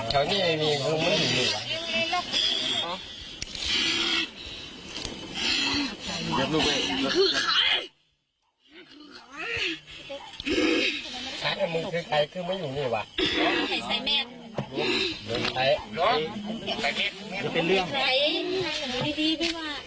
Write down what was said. หรือลูกไทยคือใคร